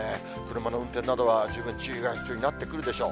車の運転などは十分注意が必要になってくるでしょう。